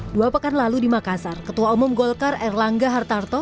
dua pekan lalu di makassar ketua umum golkar erlangga hartarto